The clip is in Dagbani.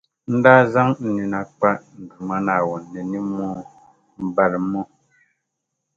n daa zaŋ n nina kpa n Duuma Naawuni ni nimmoo m-balim’ o.